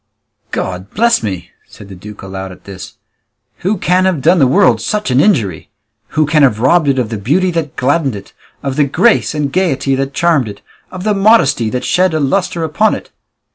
"God bless me!" said the duke aloud at this, "who can have done the world such an injury? Who can have robbed it of the beauty that gladdened it, of the grace and gaiety that charmed it, of the modesty that shed a lustre upon it?"